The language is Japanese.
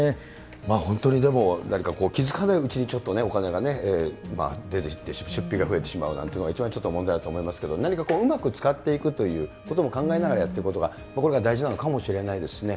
本当にでも、やはり気付かないうちにちょっとね、お金がね、出ていって、出費が増えてしまうということが一番ちょっと問題だと思いますけれども、なにかこう、うまく使っていくことも考えながらやっていくことが僕らも大事なのかもしれないですしね。